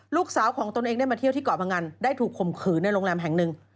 ลูกสาวของตนเองได้มาเที่ยวที่เกาะพงันได้ถูกข่มขืนในโรงแรมแห่งหนึ่ง